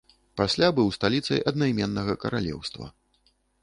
Пасля быў сталіцай аднайменнага каралеўства.